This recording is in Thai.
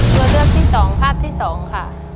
ตัวเลือกที่๒ภาพที่๒ค่ะ